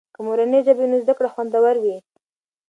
که مورنۍ ژبه وي نو زده کړه خوندور وي.